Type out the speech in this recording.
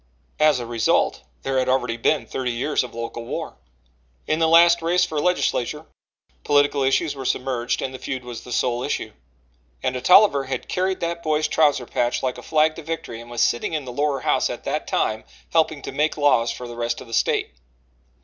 As a result there had already been thirty years of local war. In the last race for legislature, political issues were submerged and the feud was the sole issue. And a Tolliver had carried that boy's trouser patch like a flag to victory and was sitting in the lower House at that time helping to make laws for the rest of the State.